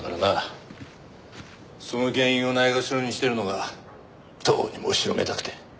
その原因をないがしろにしているのがどうにも後ろめたくて。